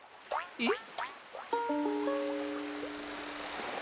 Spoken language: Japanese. えっ？